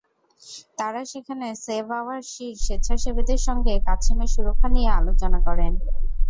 তাঁরা সেখানে save our সির স্বেচ্ছাসেবীদের সঙ্গে কাছিমের সুরক্ষা নিয়ে আলোচনা করেন।